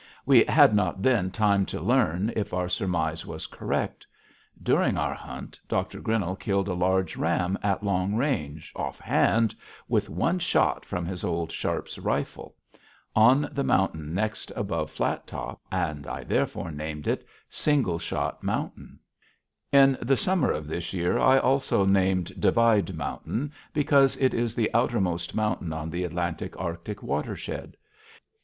We had not then time to learn if our surmise was correct. During our hunt Dr. Grinnell killed a large ram at long range, offhand, with one shot from his old Sharp's rifle, on the mountain next above Flat Top, and I therefore named it Single Shot Mountain. [Illustration: AT THE NARROWS. UPPER ST. MARY'S LAKE] In the summer of this year I also named Divide Mountain, because it is the outermost mountain on the Atlantic Arctic watershed.